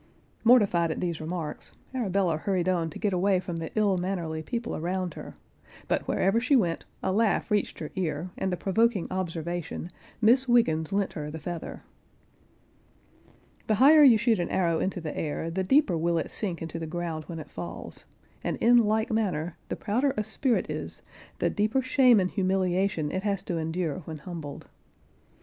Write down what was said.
Mortified at these remarks, Arabella hurried on to get away from the ill mannerly people around her; but wherever she went, a laugh reached her ear, and the provoking observation, "Miss Wiggens lent her the feather." The higher you shoot an arrow into the air, the deeper will it sink into the ground when it falls, and in like manner the prouder a spirit is, the deeper shame and humiliation it has to en[Pg 50]dure when humbled.